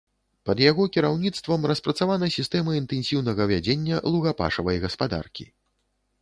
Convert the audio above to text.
Пад яго кіраўніцтвам распрацавана сістэма інтэнсіўнага вядзення лугапашавай гаспадаркі.